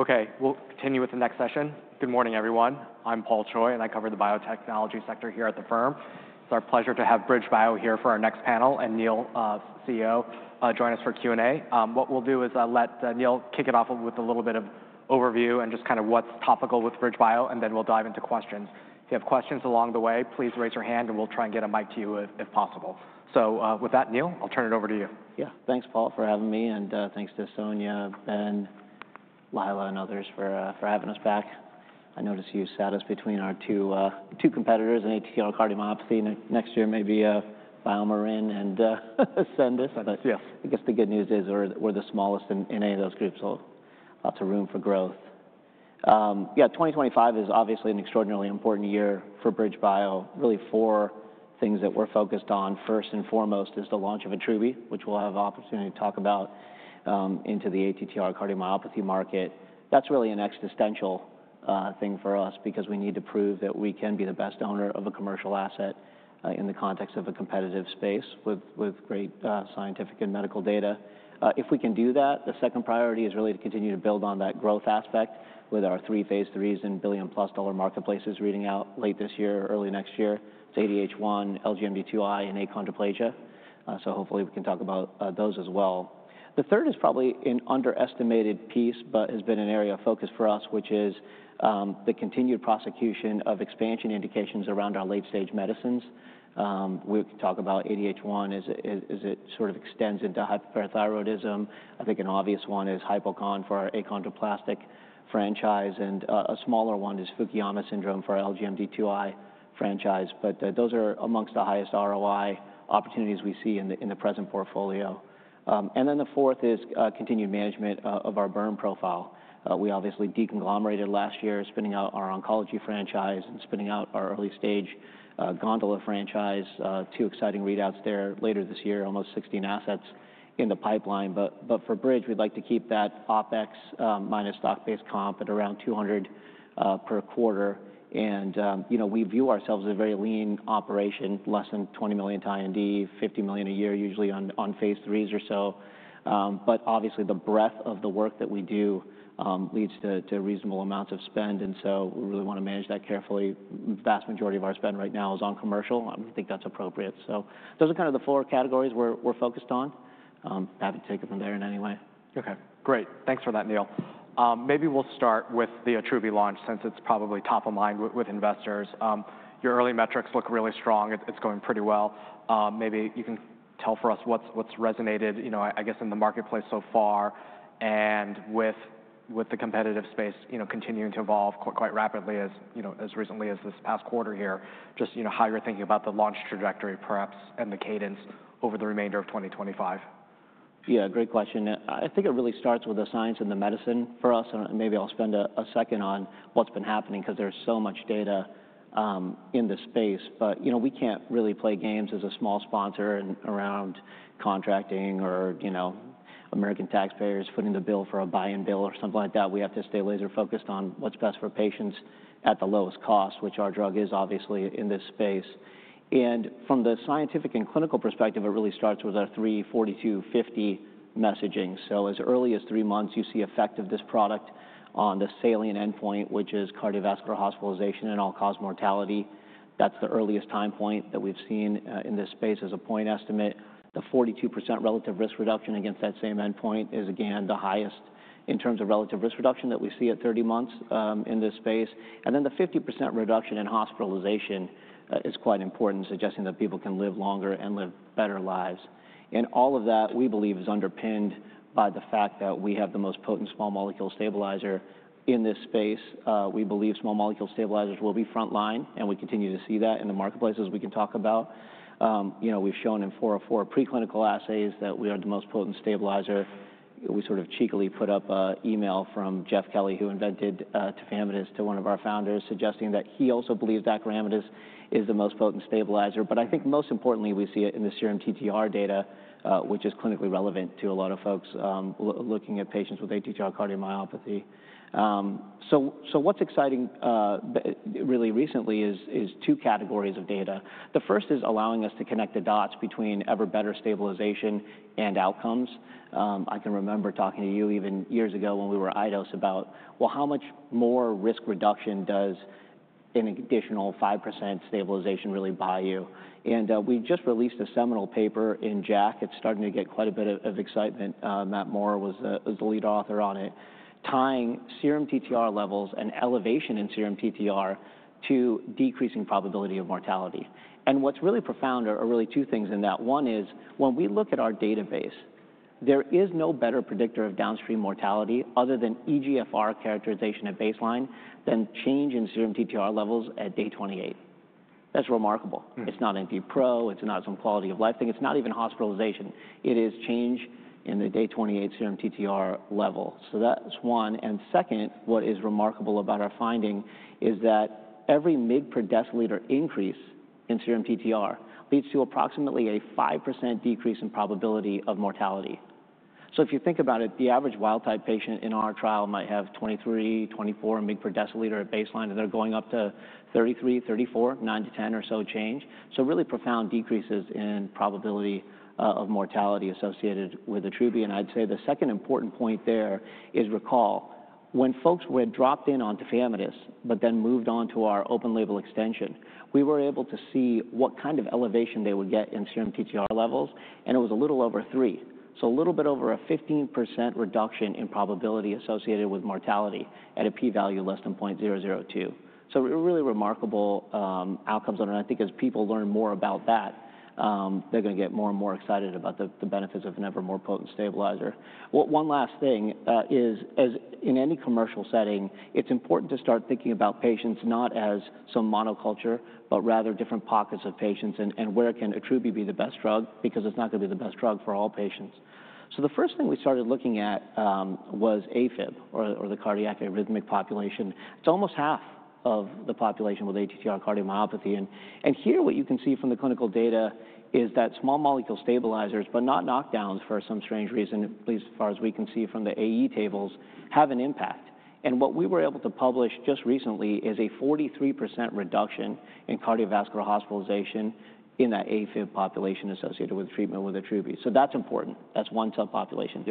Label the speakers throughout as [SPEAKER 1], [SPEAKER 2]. [SPEAKER 1] Okay, we'll continue with the next session. Good morning, everyone. I'm Paul Choi, and I cover the biotechnology sector here at the firm. It's our pleasure to have BridgeBio here for our next panel, and Neil, CEO, join us for Q&A. What we'll do is let Neil kick it off with a little bit of overview and just kind of what's topical with BridgeBio, and then we'll dive into questions. If you have questions along the way, please raise your hand, and we'll try and get a mic to you if possible. With that, Neil, I'll turn it over to you.
[SPEAKER 2] Yeah, thanks, Paul, for having me, and thanks to Sonia, Ben, Lila, and others for having us back. I notice you sat us between our two competitors in ATTR cardiomyopathy, and next year maybe BioMarin and Ascendis. I guess the good news is we're the smallest in any of those groups, so lots of room for growth. Yeah, 2025 is obviously an extraordinarily important year for BridgeBio, really four things that we're focused on. First and foremost is the launch of Acoramidis, which we'll have an opportunity to talk about in the ATTR cardiomyopathy market. That's really an existential thing for us because we need to prove that we can be the best owner of a commercial asset in the context of a competitive space with great scientific and medical data. If we can do that, the second priority is really to continue to build on that growth aspect with our three phase IIIs and billion + dollar marketplaces reading out late this year, early next year. It's ADH1, LGMD2I, and achondroplasia, so hopefully we can talk about those as well. The third is probably an underestimated piece, but has been an area of focus for us, which is the continued prosecution of expansion indications around our late stage medicines. We can talk about ADH1 as it sort of extends into hypoparathyroidism. I think an obvious one is HypoCon for our achondroplasia franchise, and a smaller one is Fukuyama syndrome for our LGMD2I franchise, but those are amongst the highest ROI opportunities we see in the present portfolio. The fourth is continued management of our BERM profile. We obviously de-conglomerated last year, spinning out our oncology franchise and spinning out our early stage gondola franchise. Two exciting readouts there later this year, almost 16 assets in the pipeline, but for BridgeBio, we'd like to keep that OpEx - stock-based comp at around $200 million per quarter. And we view ourselves as a very lean operation, less than $20 million to IND, $50 million a year usually on phase IIIs or so. But obviously, the breadth of the work that we do leads to reasonable amounts of spend, and so we really want to manage that carefully. The vast majority of our spend right now is on commercial. I think that's appropriate. So those are kind of the four categories we're focused on. Happy to take it from there in any way.
[SPEAKER 1] Okay, great. Thanks for that, Neil. Maybe we'll start with the Attruby launch since it's probably top of mind with investors. Your early metrics look really strong. It's going pretty well. Maybe you can tell for us what's resonated, I guess, in the marketplace so far and with the competitive space continuing to evolve quite rapidly as recently as this past quarter here. Just how you're thinking about the launch trajectory perhaps and the cadence over the remainder of 2025?
[SPEAKER 2] Yeah, great question. I think it really starts with the science and the medicine for us, and maybe I'll spend a second on what's been happening because there's so much data in this space. We can't really play games as a small sponsor around contracting or American taxpayers footing the bill for a buy-in bill or something like that. We have to stay laser-focused on what's best for patients at the lowest cost, which our drug is obviously in this space. From the scientific and clinical perspective, it really starts with our three, 42, 50 messaging. As early as three months, you see effect of this product on the salient endpoint, which is cardiovascular hospitalization and all-cause mortality. That's the earliest time point that we've seen in this space as a point estimate. The 42% relative risk reduction against that same endpoint is again the highest in terms of relative risk reduction that we see at 30 months in this space. The 50% reduction in hospitalization is quite important, suggesting that people can live longer and live better lives. All of that, we believe, is underpinned by the fact that we have the most potent small molecule stabilizer in this space. We believe small molecule stabilizers will be frontline, and we continue to see that in the marketplaces we can talk about. We've shown in four of four preclinical assays that we are the most potent stabilizer. We sort of cheekily put up an email from Jeff Kelly, who invented tafamidis, to one of our founders, suggesting that he also believes acoramidis is the most potent stabilizer. I think most importantly, we see it in the serum TTR data, which is clinically relevant to a lot of folks looking at patients with ATTR cardiomyopathy. What's exciting really recently is two categories of data. The first is allowing us to connect the dots between ever better stabilization and outcomes. I can remember talking to you even years ago when we were Eidos about, well, how much more risk reduction does an additional 5% stabilization really buy you? We just released a seminal paper in JAC. It's starting to get quite a bit of excitement. Matt Moore was the lead author on it, tying serum TTR levels and elevation in serum TTR to decreasing probability of mortality. What's really profound are really two things in that. One is when we look at our database, there is no better predictor of downstream mortality other than eGFR characterization at baseline than change in serum TTR levels at day 28. That's remarkable. It's not NT-proBNP. It's not some quality of life thing. It's not even hospitalization. It is change in the day 28 serum TTR level. That's one. Second, what is remarkable about our finding is that every mg/dL increase in serum TTR leads to approximately a 5% decrease in probability of mortality. If you think about it, the average wild-type patient in our trial might have 23, 24 mg/dL at baseline, and they're going up to 33, 34, 9-10 or so change. Really profound decreases in probability of mortality associated with acoramidis. I'd say the second important point there is, recall, when folks were dropped in on tafamidis but then moved on to our open label extension, we were able to see what kind of elevation they would get in serum TTR levels, and it was a little over three. A little bit over a 15% reduction in probability associated with mortality at a p-value less than 0.002. Really remarkable outcomes. I think as people learn more about that, they're going to get more and more excited about the benefits of an ever more potent stabilizer. One last thing is, as in any commercial setting, it's important to start thinking about patients not as some monoculture, but rather different pockets of patients and where can acoramidis be the best drug because it's not going to be the best drug for all patients. The first thing we started looking at was AFib or the cardiac arrhythmic population. It's almost half of the population with ATTR cardiomyopathy. Here what you can see from the clinical data is that small molecule stabilizers, but not knockdowns for some strange reason, at least as far as we can see from the AE tables, have an impact. What we were able to publish just recently is a 43% reduction in cardiovascular hospitalization in that AFib population associated with treatment with Atrubby. That's important. That's one subpopulation.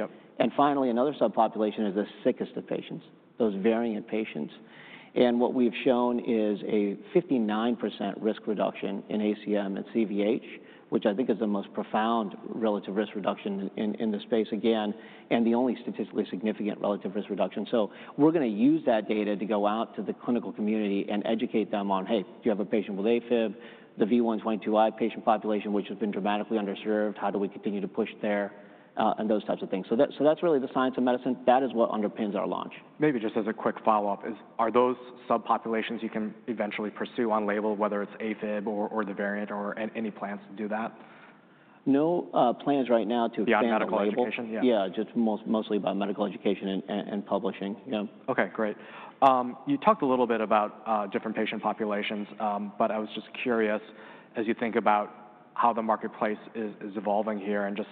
[SPEAKER 2] Finally, another subpopulation is the sickest of patients, those variant patients. What we've shown is a 59% risk reduction in ACM and CVH, which I think is the most profound relative risk reduction in the space, again, and the only statistically significant relative risk reduction. We're going to use that data to go out to the clinical community and educate them on, hey, do you have a patient with AFib, the V122I patient population, which has been dramatically underserved? How do we continue to push there and those types of things? That is really the science of medicine. That is what underpins our launch.
[SPEAKER 1] Maybe just as a quick follow-up, are those subpopulations you can eventually pursue on label, whether it's AFib or the variant or any plans to do that?
[SPEAKER 2] No plans right now to expand medical education.
[SPEAKER 1] Yeah, medical education?
[SPEAKER 2] Yeah, just mostly by medical education and publishing. Yeah.
[SPEAKER 1] Okay, great. You talked a little bit about different patient populations, but I was just curious, as you think about how the marketplace is evolving here and just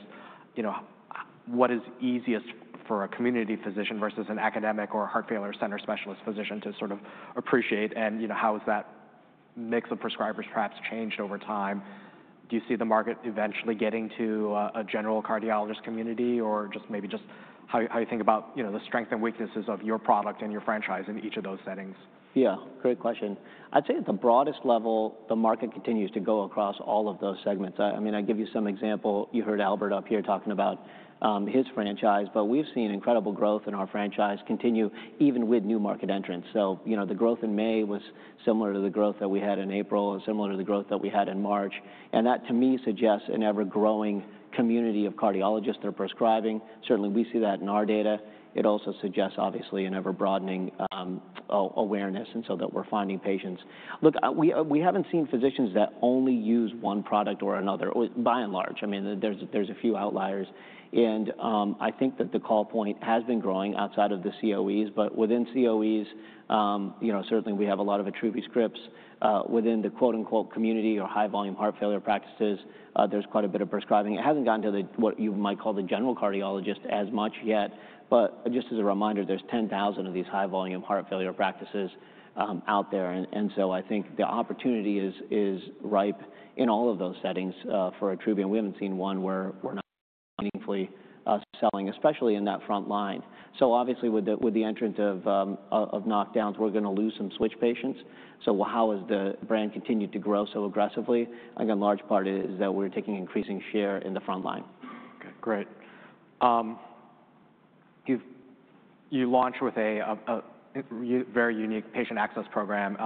[SPEAKER 1] what is easiest for a community physician versus an academic or heart failure center specialist physician to sort of appreciate, and how has that mix of prescribers perhaps changed over time? Do you see the market eventually getting to a general cardiologist community or just maybe just how you think about the strengths and weaknesses of your product and your franchise in each of those settings?
[SPEAKER 2] Yeah, great question. I'd say at the broadest level, the market continues to go across all of those segments. I mean, I give you some example. You heard Albert up here talking about his franchise, but we've seen incredible growth in our franchise continue even with new market entrants. The growth in May was similar to the growth that we had in April and similar to the growth that we had in March. That to me suggests an ever-growing community of cardiologists that are prescribing. Certainly, we see that in our data. It also suggests, obviously, an ever-broadening awareness and so that we're finding patients. Look, we haven't seen physicians that only use one product or another, by and large. I mean, there's a few outliers. I think that the call point has been growing outside of the COEs, but within COEs, certainly we have a lot of Attruby scripts. Within the quote-unquote community or high-volume heart failure practices, there is quite a bit of prescribing. It has not gotten to what you might call the general cardiologist as much yet, but just as a reminder, there are 10,000 of these high-volume heart failure practices out there. I think the opportunity is ripe in all of those settings for Attruby. We have not seen one where we are not meaningfully selling, especially in that front line. Obviously, with the entrance of knockdowns, we are going to lose some switch patients. How has the brand continued to grow so aggressively? I think a large part is that we are taking increasing share in the front line.
[SPEAKER 1] Okay, great. You launched with a very unique patient access program,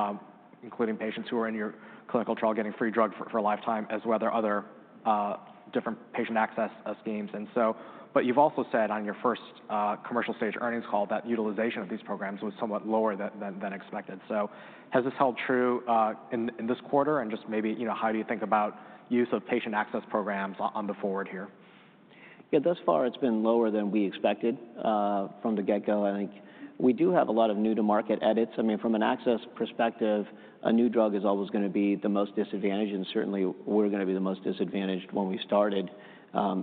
[SPEAKER 1] including patients who are in your clinical trial getting free drug for lifetime as well as other different patient access schemes. You have also said on your first commercial stage earnings call that utilization of these programs was somewhat lower than expected. Has this held true in this quarter? Just maybe how do you think about use of patient access programs on the forward here?
[SPEAKER 2] Yeah, thus far, it's been lower than we expected from the get-go. I think we do have a lot of new-to-market edits. I mean, from an access perspective, a new drug is always going to be the most disadvantaged, and certainly we're going to be the most disadvantaged when we started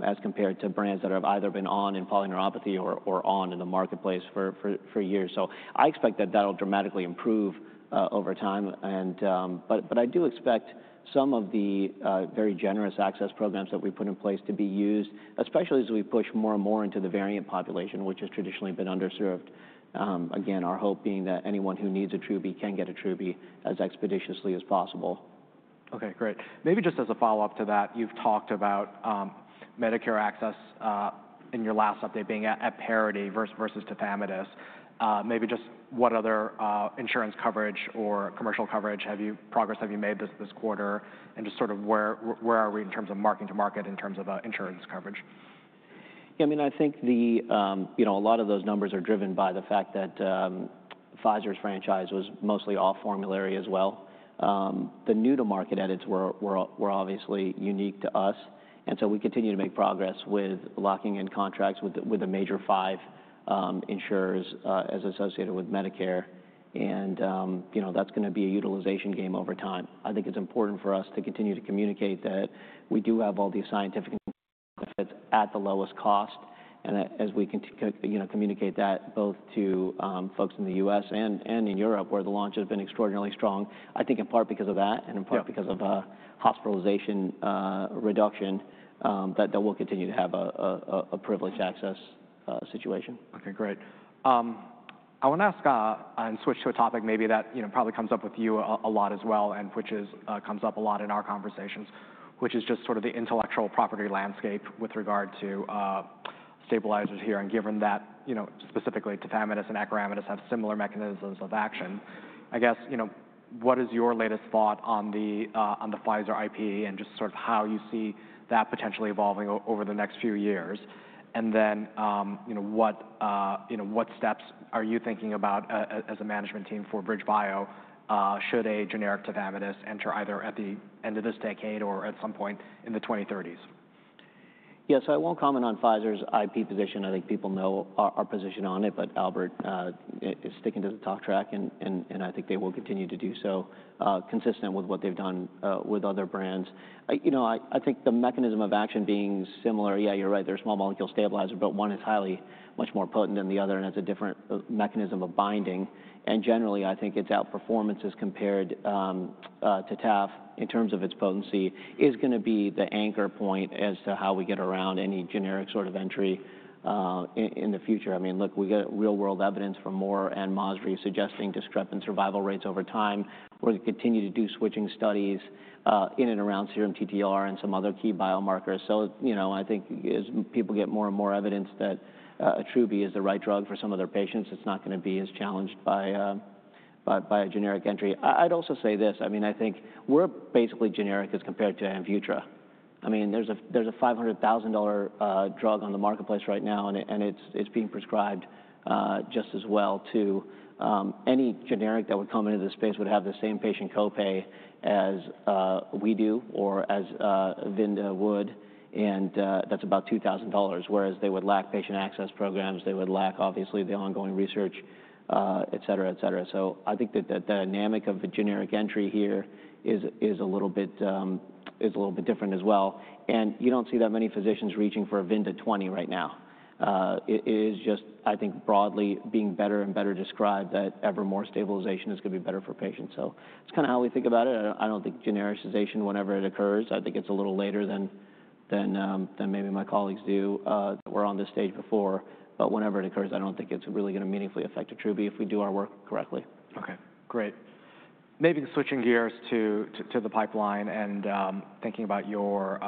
[SPEAKER 2] as compared to brands that have either been on in polyneuropathy or on in the marketplace for years. I expect that that'll dramatically improve over time. I do expect some of the very generous access programs that we put in place to be used, especially as we push more and more into the variant population, which has traditionally been underserved. Again, our hope being that anyone who needs Attruby can get Attruby as expeditiously as possible.
[SPEAKER 1] Okay, great. Maybe just as a follow-up to that, you've talked about Medicare access in your last update being at parity versus tafamidis. Maybe just what other insurance coverage or commercial coverage progress have you made this quarter? And just sort of where are we in terms of market to market in terms of insurance coverage?
[SPEAKER 2] Yeah, I mean, I think a lot of those numbers are driven by the fact that Pfizer's franchise was mostly all formulary as well. The new-to-market edits were obviously unique to us. We continue to make progress with locking in contracts with the major five insurers as associated with Medicare. That is going to be a utilization game over time. I think it is important for us to continue to communicate that we do have all the scientific benefits at the lowest cost. As we communicate that both to folks in the US and in Europe, where the launch has been extraordinarily strong, I think in part because of that and in part because of hospitalization reduction, we will continue to have a privileged access situation.
[SPEAKER 1] Okay, great. I want to ask and switch to a topic maybe that probably comes up with you a lot as well, and which comes up a lot in our conversations, which is just sort of the intellectual property landscape with regard to stabilizers here. Given that specifically tafamidis and acoramidis have similar mechanisms of action, I guess what is your latest thought on the Pfizer IP and just sort of how you see that potentially evolving over the next few years? What steps are you thinking about as a management team for BridgeBio should a generic tafamidis enter either at the end of this decade or at some point in the 2030s?
[SPEAKER 2] Yeah, so I won't comment on Pfizer's IP position. I think people know our position on it, but Albert is sticking to the talk track, and I think they will continue to do so consistent with what they've done with other brands. I think the mechanism of action being similar, yeah, you're right, they're a small molecule stabilizer, but one is highly much more potent than the other and has a different mechanism of binding. Generally, I think its outperformance as compared to tafamidis in terms of its potency is going to be the anchor point as to how we get around any generic sort of entry in the future. I mean, look, we got real-world evidence from Moore and Mosry suggesting discrepancy survival rates over time. We're going to continue to do switching studies in and around serum TTR and some other key biomarkers. I think as people get more and more evidence that Attruby is the right drug for some of their patients, it's not going to be as challenged by a generic entry. I'd also say this. I mean, I think we're basically generic as compared to Amvutra. I mean, there's a $500,000 drug on the marketplace right now, and it's being prescribed just as well too. Any generic that would come into the space would have the same patient copay as we do or as Vyndaqel would, and that's about $2,000, whereas they would lack patient access programs, they would lack obviously the ongoing research, et cetera, et cetera. I think that the dynamic of a generic entry here is a little bit different as well. You don't see that many physicians reaching for a Vyndaqel 20 right now. It is just, I think, broadly being better and better described that ever more stabilization is going to be better for patients. It is kind of how we think about it. I do not think genericization, whenever it occurs, I think it is a little later than maybe my colleagues do that were on this stage before. Whenever it occurs, I do not think it is really going to meaningfully affect Attruby if we do our work correctly.
[SPEAKER 1] Okay, great. Maybe switching gears to the pipeline and thinking about your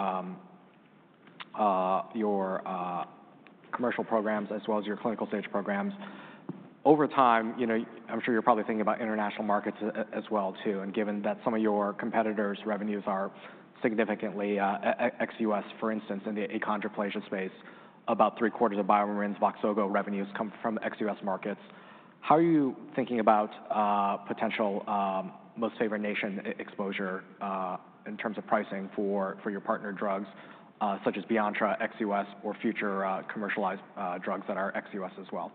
[SPEAKER 1] commercial programs as well as your clinical stage programs. Over time, I'm sure you're probably thinking about international markets as well too. Given that some of your competitors' revenues are significantly ex-U.S., for instance, in the achondroplasia space, about three-quarters of BioMarin's Voxzogo revenues come from ex-U.S. markets. How are you thinking about potential most favorite nation exposure in terms of pricing for your partner drugs such as acoramidis, ex-U.S., or future commercialized drugs that are ex-U.S. as well?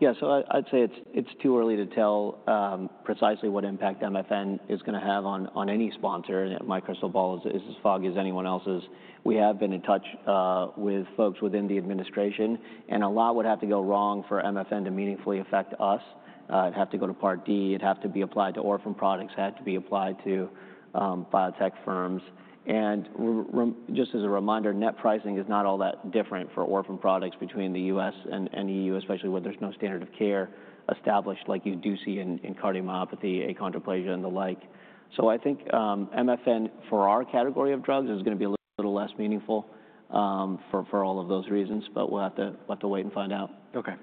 [SPEAKER 2] Yeah, so I'd say it's too early to tell precisely what impact MFN is going to have on any sponsor. My crystal ball is as foggy as anyone else's. We have been in touch with folks within the administration, and a lot would have to go wrong for MFN to meaningfully affect us. It'd have to go to Part D, it'd have to be applied to orphan products, it'd have to be applied to biotech firms. Just as a reminder, net pricing is not all that different for orphan products between the U.S. and EU, especially where there's no standard of care established like you do see in cardiomyopathy, achondroplasia, and the like. I think MFN for our category of drugs is going to be a little less meaningful for all of those reasons, but we'll have to wait and find out.
[SPEAKER 1] Okay.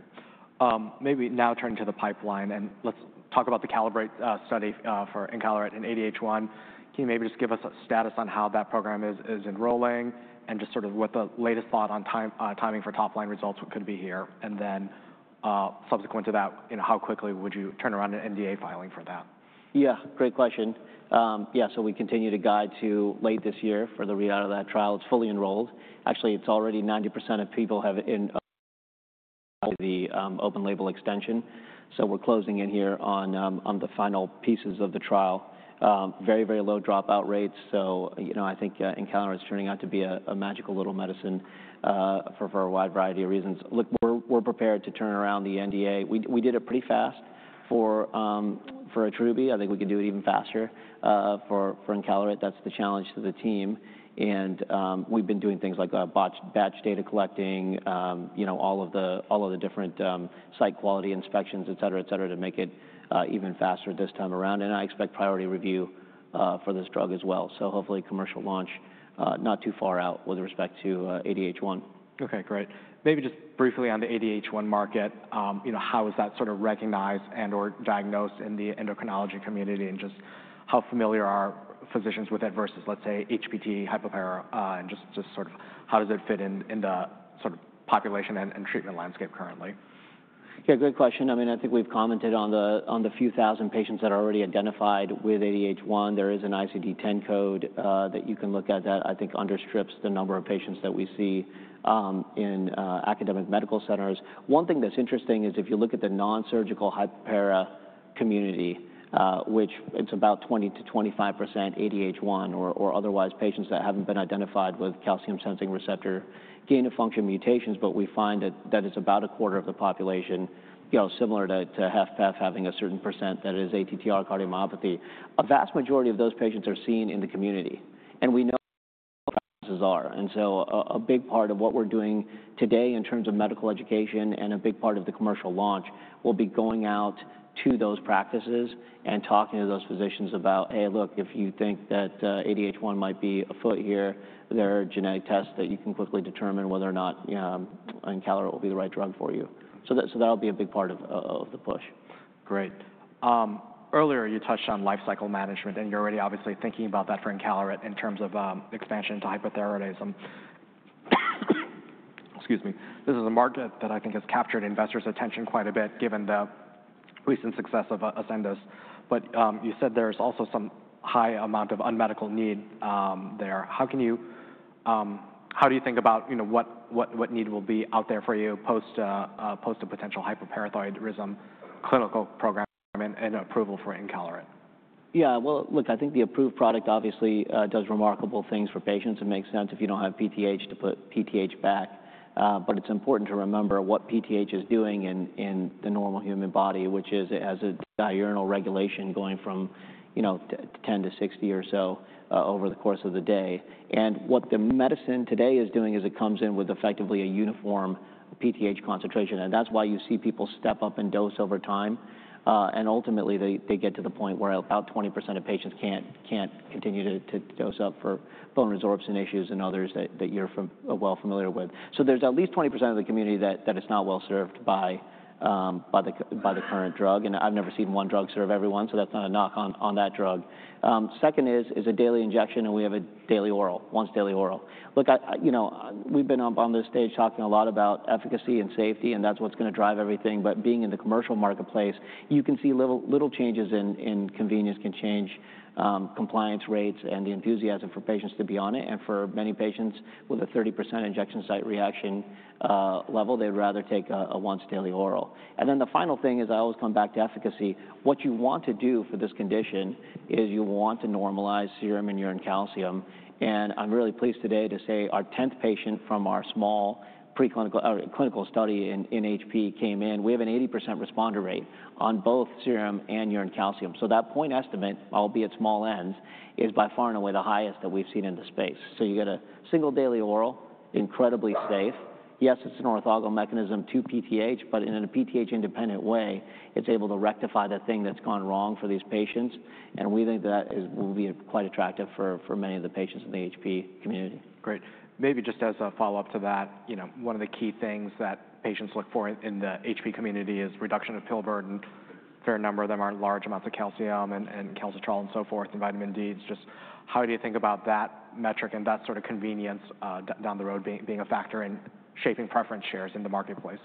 [SPEAKER 1] Maybe now turning to the pipeline, and let's talk about the Calibrate study for encaleret and ADH1. Can you maybe just give us a status on how that program is enrolling and just sort of what the latest thought on timing for top-line results could be here? And then subsequent to that, how quickly would you turn around an NDA filing for that?
[SPEAKER 2] Yeah, great question. Yeah, we continue to guide to late this year for the readout of that trial. It's fully enrolled. Actually, already 90% of people have the open label extension. We're closing in here on the final pieces of the trial. Very, very low dropout rates. I think encaleret is turning out to be a magical little medicine for a wide variety of reasons. Look, we're prepared to turn around the NDA. We did it pretty fast for acoramidis. I think we can do it even faster for encaleret. That's the challenge to the team. We've been doing things like batch data collecting, all of the different site quality inspections, et cetera, et cetera, to make it even faster this time around. I expect priority review for this drug as well. Hopefully commercial launch not too far out with respect to ADH1.
[SPEAKER 1] Okay, great. Maybe just briefly on the ADH1 market, how is that sort of recognized and/or diagnosed in the endocrinology community and just how familiar are physicians with it versus, let's say, HPT, hypopara, and just sort of how does it fit in the sort of population and treatment landscape currently?
[SPEAKER 2] Yeah, good question. I mean, I think we've commented on the few thousand patients that are already identified with ADH1. There is an ICD-10 code that you can look at that I think under strips the number of patients that we see in academic medical centers. One thing that's interesting is if you look at the non-surgical hypopara community, which, it's about 20%-25% ADH1 or otherwise patients that haven't been identified with calcium sensing receptor gain of function mutations, but we find that that is about a quarter of the population, similar to HFpEF having a certain percent that is ATTR cardiomyopathy. A vast majority of those patients are seen in the community, and we know what the practices are. A big part of what we're doing today in terms of medical education and a big part of the commercial launch will be going out to those practices and talking to those physicians about, "Hey, look, if you think that ADH1 might be afoot here, there are genetic tests that you can quickly determine whether or not encaleret will be the right drug for you." That will be a big part of the push.
[SPEAKER 1] Great. Earlier, you touched on lifecycle management, and you're already obviously thinking about that for encaleret in terms of expansion to hypoparathyroidism. Excuse me. This is a market that I think has captured investors' attention quite a bit given the recent success of ascendis. You said there's also some high amount of unmet medical need there. How do you think about what need will be out there for you post a potential hypoparathyroidism clinical program and approval for encaleret?
[SPEAKER 2] Yeah, look, I think the approved product obviously does remarkable things for patients. It makes sense if you do not have PTH to put PTH back. It is important to remember what PTH is doing in the normal human body, which is it has a diurnal regulation going from 10-60 or so over the course of the day. What the medicine today is doing is it comes in with effectively a uniform PTH concentration. That is why you see people step up in dose over time. Ultimately, they get to the point where about 20% of patients cannot continue to dose up for bone resorption issues and others that you are well familiar with. There is at least 20% of the community that is not well served by the current drug. I have never seen one drug serve everyone, so that is not a knock on that drug. Second is a daily injection, and we have a daily oral, once daily oral. Look, we've been on this stage talking a lot about efficacy and safety, and that's what's going to drive everything. Being in the commercial marketplace, you can see little changes in convenience can change compliance rates and the enthusiasm for patients to be on it. For many patients with a 30% injection site reaction level, they'd rather take a once daily oral. The final thing is I always come back to efficacy. What you want to do for this condition is you want to normalize serum and urine calcium. I'm really pleased today to say our 10th patient from our small clinical study in HP came in. We have an 80% responder rate on both serum and urine calcium. That point estimate, albeit small ends, is by far and away the highest that we've seen in the space. You get a single daily oral, incredibly safe. Yes, it's an orthogonal mechanism to PTH, but in a PTH-independent way, it's able to rectify the thing that's gone wrong for these patients. We think that will be quite attractive for many of the patients in the HP community.
[SPEAKER 1] Great. Maybe just as a follow-up to that, one of the key things that patients look for in the HP community is reduction of pill burden. A fair number of them are large amounts of calcium and calcitriol and so forth and vitamin Ds. Just how do you think about that metric and that sort of convenience down the road being a factor in shaping preference shares in the marketplace?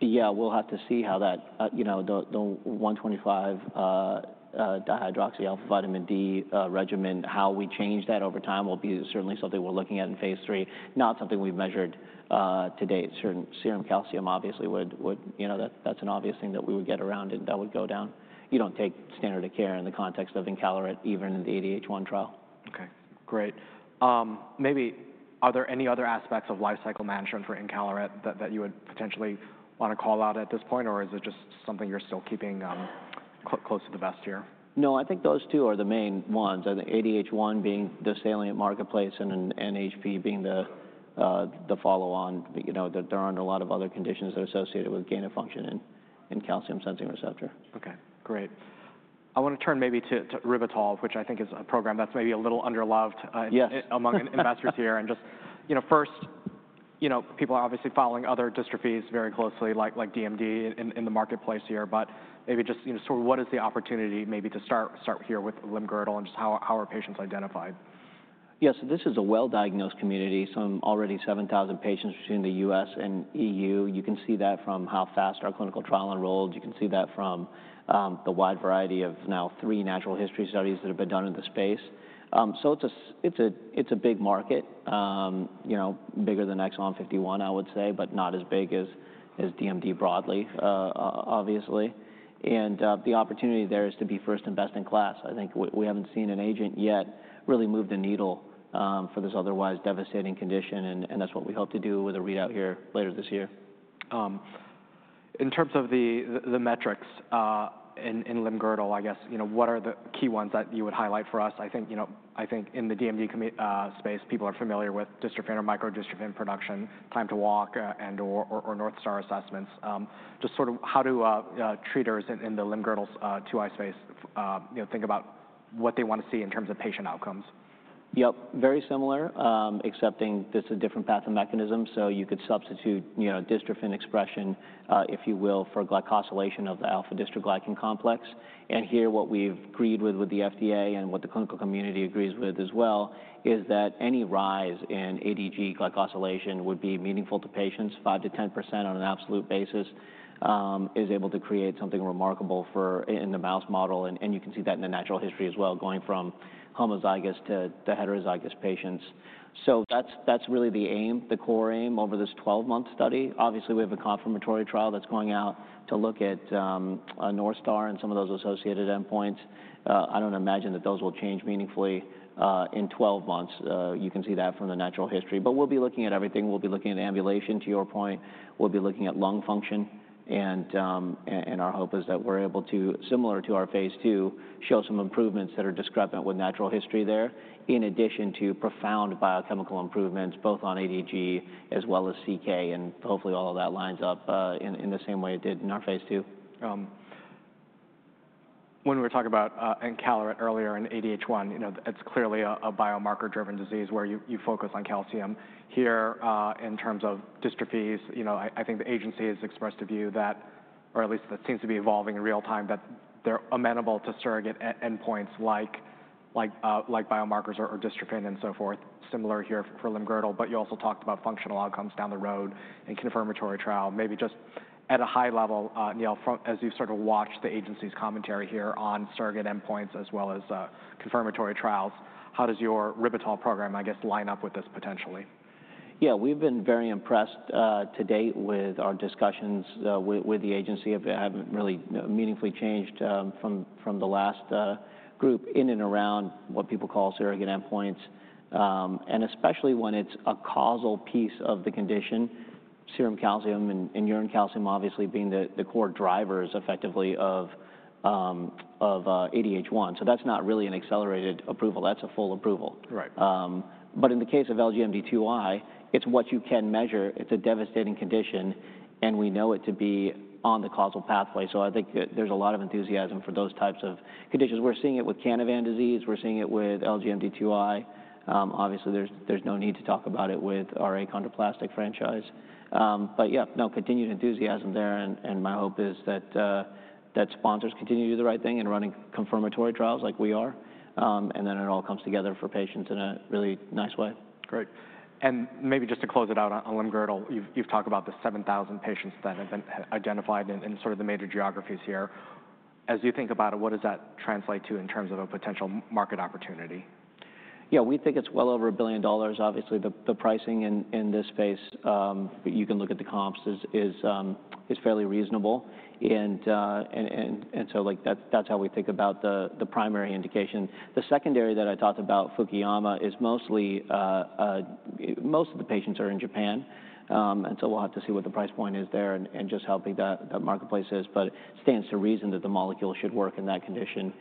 [SPEAKER 2] Yeah, we'll have to see how that 125-dihydroxy alpha vitamin D regimen, how we change that over time will be certainly something we're looking at in phase III, not something we've measured to date. Certain serum calcium obviously would, that's an obvious thing that we would get around and that would go down. You don't take standard of care in the context of encaleret, even in the ADH1 trial.
[SPEAKER 1] Okay, great. Maybe are there any other aspects of lifecycle management for encaleret that you would potentially want to call out at this point, or is it just something you're still keeping close to the vest here?
[SPEAKER 2] No, I think those two are the main ones. I think ADH1 being the salient marketplace and HP being the follow-on. There are a lot of other conditions that are associated with gain of function and calcium sensing receptor.
[SPEAKER 1] Okay, great. I want to turn maybe to ribitol, which I think is a program that's maybe a little under loved among investors here. Just first, people are obviously following other dystrophies very closely like DMD in the marketplace here, but maybe just sort of what is the opportunity maybe to start here with limb girdle and just how are patients identified?
[SPEAKER 2] Yeah, this is a well-diagnosed community. I'm already 7,000 patients between the US and EU. You can see that from how fast our clinical trial enrolled. You can see that from the wide variety of now three natural history studies that have been done in the space. It's a big market, bigger than exondys 1, I would say, but not as big as DMD broadly, obviously. The opportunity there is to be first and best in class. I think we haven't seen an agent yet really move the needle for this otherwise devastating condition, and that's what we hope to do with a readout here later this year.
[SPEAKER 1] In terms of the metrics in LGMD2I, I guess, what are the key ones that you would highlight for us? I think in the DMD space, people are familiar with dystrophin or micro-dystrophin production, time to walk and/or North Star assessments. Just sort of how do treaters in the LGMD2I space think about what they want to see in terms of patient outcomes?
[SPEAKER 2] Yep, very similar, excepting this is a different path of mechanism. You could substitute dystrophin expression, if you will, for glycosylation of the alpha dystroglycan complex. Here what we have agreed with the FDA and what the clinical community agrees with as well is that any rise in ADG glycosylation would be meaningful to patients, 5%-10% on an absolute basis, is able to create something remarkable in the mouse model. You can see that in the natural history as well, going from homozygous to heterozygous patients. That is really the aim, the core aim over this 12-month study. Obviously, we have a confirmatory trial that is going out to look at North Star and some of those associated endpoints. I do not imagine that those will change meaningfully in 12 months. You can see that from the natural history. We will be looking at everything. We'll be looking at ambulation, to your point. We'll be looking at lung function. Our hope is that we're able to, similar to our phase II, show some improvements that are discrepant with natural history there, in addition to profound biochemical improvements, both on ADH as well as CK. Hopefully all of that lines up in the same way it did in our phase II.
[SPEAKER 1] When we were talking about Encaleret earlier and ADH1, it's clearly a biomarker-driven disease where you focus on calcium. Here, in terms of dystrophies, I think the agency has expressed a view that, or at least that seems to be evolving in real time, that they're amenable to surrogate endpoints like biomarkers or dystrophin and so forth, similar here for limb-girdle. You also talked about functional outcomes down the road and confirmatory trial. Maybe just at a high level, Neil, as you've sort of watched the agency's commentary here on surrogate endpoints as well as confirmatory trials, how does your ribitol program, I guess, line up with this potentially?
[SPEAKER 2] Yeah, we've been very impressed to date with our discussions with the agency. They haven't really meaningfully changed from the last group in and around what people call surrogate endpoints. Especially when it's a causal piece of the condition, serum calcium and urine calcium obviously being the core drivers effectively of ADH1. That's not really an accelerated approval. That's a full approval. In the case of LGMD2I, it's what you can measure. It's a devastating condition, and we know it to be on the causal pathway. I think there's a lot of enthusiasm for those types of conditions. We're seeing it with Canavan disease. We're seeing it with LGMD2I. Obviously, there's no need to talk about it with our achondroplastic franchise. Yeah, no, continued enthusiasm there. My hope is that sponsors continue to do the right thing and running confirmatory trials like we are. It all comes together for patients in a really nice way.
[SPEAKER 1] Great. Maybe just to close it out on limb-girdle, you've talked about the 7,000 patients that have been identified in sort of the major geographies here. As you think about it, what does that translate to in terms of a potential market opportunity?
[SPEAKER 2] Yeah, we think it's well over a billion dollars. Obviously, the pricing in this space, you can look at the comps, is fairly reasonable. That is how we think about the primary indication. The secondary that I talked about, Fukuyama, is mostly most of the patients are in Japan. We will have to see what the price point is there and just how big that marketplace is. It stands to reason that the molecule should work in that condition,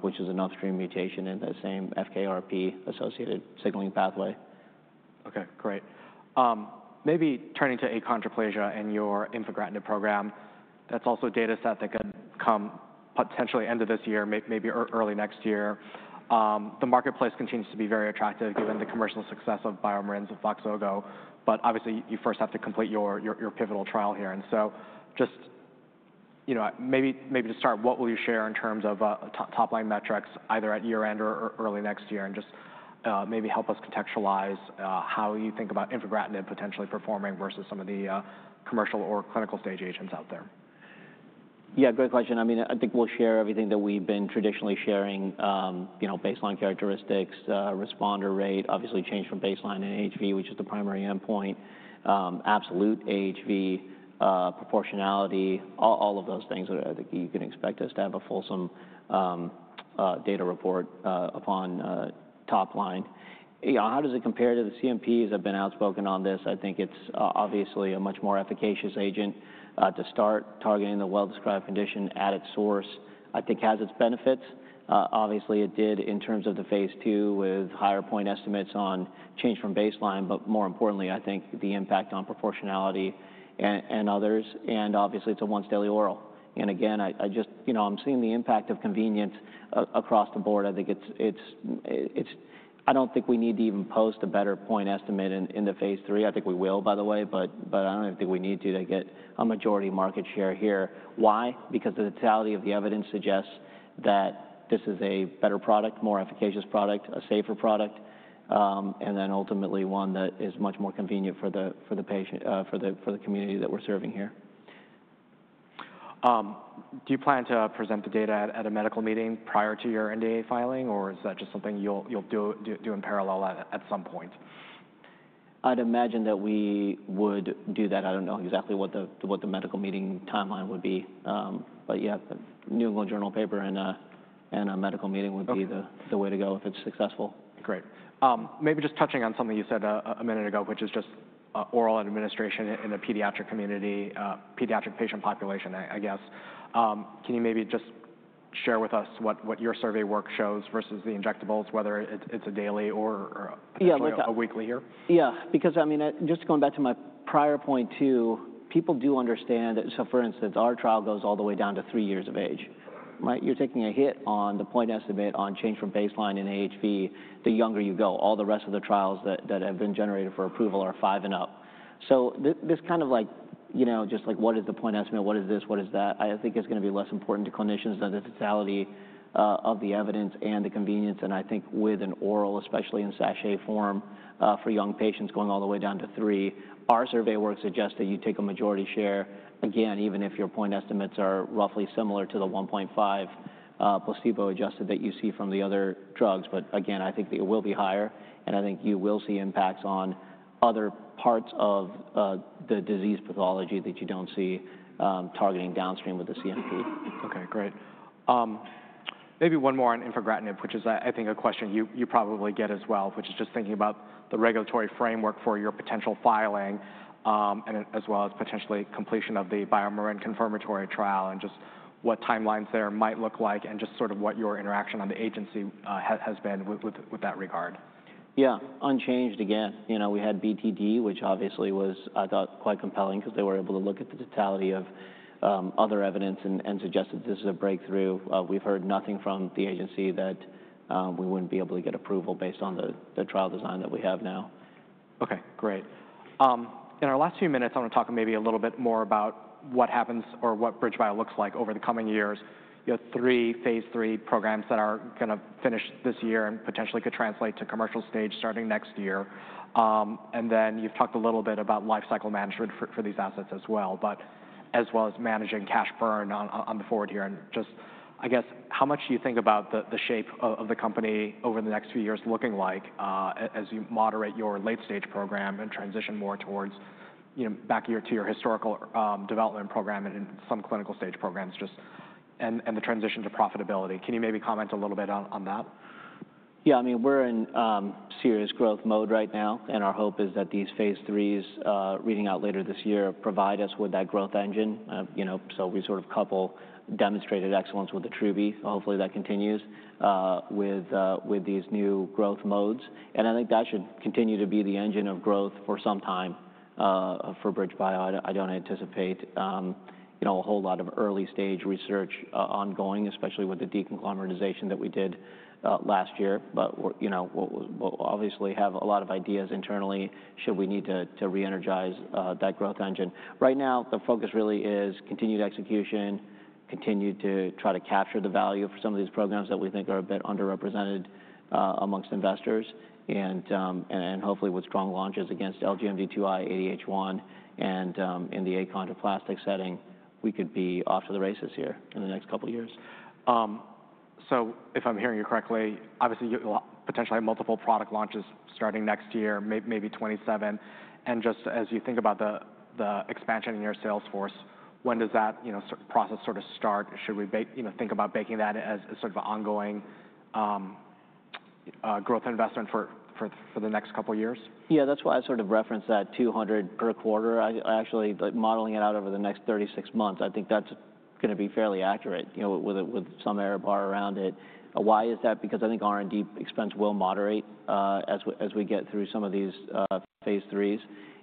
[SPEAKER 2] which is an upstream mutation in the same FKRP associated signaling pathway.
[SPEAKER 1] Okay, great. Maybe turning to achondroplasia and your infrared program, that's also a data set that could come potentially end of this year, maybe early next year. The marketplace continues to be very attractive given the commercial success of BioMarin's Voxzogo. Obviously, you first have to complete your pivotal trial here. Just maybe to start, what will you share in terms of top-line metrics either at year-end or early next year? Just maybe help us contextualize how you think about infrared potentially performing versus some of the commercial or clinical stage agents out there?
[SPEAKER 2] Yeah, good question. I mean, I think we'll share everything that we've been traditionally sharing, baseline characteristics, responder rate, obviously change from baseline in HV, which is the primary endpoint, absolute AHV proportionality, all of those things that you can expect us to have a fulsome data report upon top line. How does it compare to the CMPs? I've been outspoken on this. I think it's obviously a much more efficacious agent to start targeting the well-described condition at its source. I think it has its benefits. Obviously, it did in terms of the phase II with higher point estimates on change from baseline, but more importantly, I think the impact on proportionality and others. Obviously, it's a once daily oral. Again, I just I'm seeing the impact of convenience across the board. I think it's, I don't think we need to even post a better point estimate in the phase III. I think we will, by the way, but I don't think we need to to get a majority market share here. Why? Because the totality of the evidence suggests that this is a better product, more efficacious product, a safer product, and then ultimately one that is much more convenient for the patient, for the community that we're serving here.
[SPEAKER 1] Do you plan to present the data at a medical meeting prior to your NDA filing, or is that just something you'll do in parallel at some point?
[SPEAKER 2] I'd imagine that we would do that. I don't know exactly what the medical meeting timeline would be. Yeah, the New England Journal paper and a medical meeting would be the way to go if it's successful.
[SPEAKER 1] Great. Maybe just touching on something you said a minute ago, which is just oral administration in the pediatric community, pediatric patient population, I guess. Can you maybe just share with us what your survey work shows versus the injectables, whether it's a daily or a weekly here?
[SPEAKER 2] Yeah, because I mean, just going back to my prior point too, people do understand that, so for instance, our trial goes all the way down to three years of age, right? You're taking a hit on the point estimate on change from baseline in AHV. The younger you go, all the rest of the trials that have been generated for approval are five and up. This kind of like just like what is the point estimate? What is this? What is that? I think it's going to be less important to clinicians than the totality of the evidence and the convenience. I think with an oral, especially in sachet form for young patients going all the way down to three, our survey work suggests that you take a majority share. Again, even if your point estimates are roughly similar to the 1.5 placebo adjusted that you see from the other drugs, I think that it will be higher. I think you will see impacts on other parts of the disease pathology that you do not see targeting downstream with the CMP.
[SPEAKER 1] Okay, great. Maybe one more on infrared, which is I think a question you probably get as well, which is just thinking about the regulatory framework for your potential filing and as well as potentially completion of the BioMarin confirmatory trial and just what timelines there might look like and just sort of what your interaction on the agency has been with that regard?
[SPEAKER 2] Yeah, unchanged again. We had BTD, which obviously was, I thought, quite compelling because they were able to look at the totality of other evidence and suggested this is a breakthrough. We've heard nothing from the agency that we wouldn't be able to get approval based on the trial design that we have now.
[SPEAKER 1] Okay, great. In our last few minutes, I want to talk maybe a little bit more about what happens or what BridgeBio looks like over the coming years. You have three phase III programs that are going to finish this year and potentially could translate to commercial stage starting next year. You have talked a little bit about lifecycle management for these assets as well, as well as managing cash burn on the forward here. Just, I guess, how much do you think about the shape of the company over the next few years looking like as you moderate your late stage program and transition more towards back to your historical development program and some clinical stage programs, just, and the transition to profitability? Can you maybe comment a little bit on that?
[SPEAKER 2] Yeah, I mean, we're in serious growth mode right now. Our hope is that these phase IIIs reading out later this year provide us with that growth engine. We sort of couple demonstrated excellence with the true B. Hopefully that continues with these new growth modes. I think that should continue to be the engine of growth for some time for BridgeBio. I don't anticipate a whole lot of early stage research ongoing, especially with the deconglomeratization that we did last year. We'll obviously have a lot of ideas internally should we need to re-energize that growth engine. Right now, the focus really is continued execution, continue to try to capture the value for some of these programs that we think are a bit underrepresented amongst investors. Hopefully with strong launches against LGMD2I, ADH1, and in the achondroplastic setting, we could be off to the races here in the next couple of years.
[SPEAKER 1] If I'm hearing you correctly, obviously you'll potentially have multiple product launches starting next year, maybe 2027. Just as you think about the expansion in your sales force, when does that process sort of start? Should we think about baking that as sort of an ongoing growth investment for the next couple of years?
[SPEAKER 2] Yeah, that's why I sort of referenced that 200 per quarter. Actually modeling it out over the next 36 months, I think that's going to be fairly accurate with some error bar around it. Why is that? Because I think R&D expense will moderate as we get through some of these phase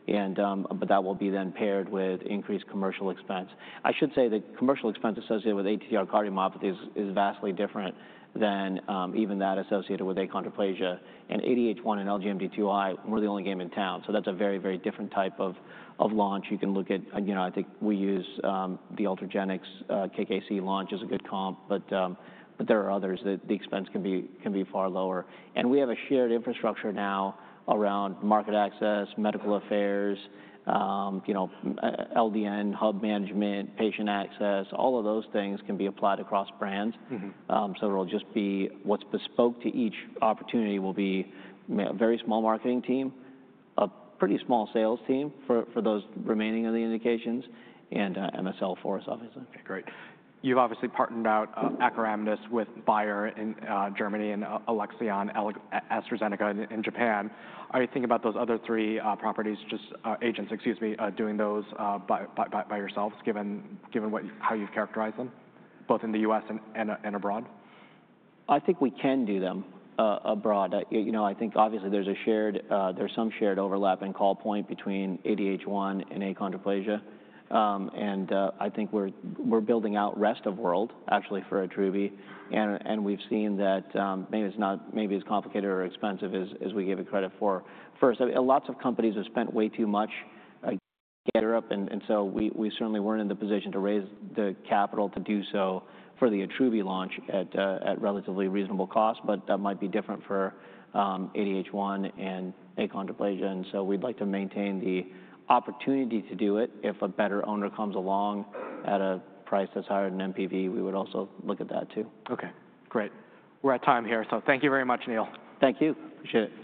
[SPEAKER 2] IIIs. That will be then paired with increased commercial expense. I should say the commercial expense associated with ATTR cardiomyopathy is vastly different than even that associated with achondroplasia. And ADH1 and LGMD2I, we're the only game in town. So that's a very, very different type of launch. You can look at, I think we use the Ultragenyx KKC launch as a good comp. There are others that the expense can be far lower. We have a shared infrastructure now around market access, medical affairs, LDN, hub management, patient access. All of those things can be applied across brands. It will just be what's bespoke to each opportunity will be a very small marketing team, a pretty small sales team for those remaining of the indications, and MSL Force, obviously.
[SPEAKER 1] Okay, great. You've obviously partnered out acoramidis with Bayer in Germany and Alexion AstraZeneca in Japan. Are you thinking about those other three properties, just agents, excuse me, doing those by yourselves given how you've characterized them, both in the US and abroad?
[SPEAKER 2] I think we can do them abroad. I think obviously there's some shared overlap in call point between ADH1 and achondroplasia. I think we're building out rest of world actually for Attruby. We've seen that maybe it's not maybe as complicated or expensive as we gave it credit for. First, lots of companies have spent way too much to get it up. We certainly weren't in the position to raise the capital to do so for the Attruby launch at relatively reasonable cost, but that might be different for ADH1 and achondroplasia. We'd like to maintain the opportunity to do it. If a better owner comes along at a price that's higher than NPV, we would also look at that too.
[SPEAKER 1] Okay, great. We're at time here. So thank you very much, Neil.
[SPEAKER 2] Thank you. Appreciate it.